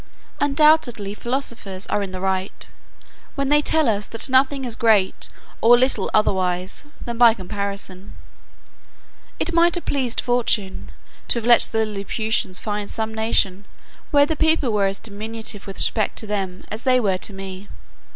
Undoubtedly philosophers are in the right, when they tell us that nothing is great or little otherwise than by comparison. It might have pleased fortune, to have let the Lilliputians find some nation, where the people were as diminutive with respect to them, as they were to me.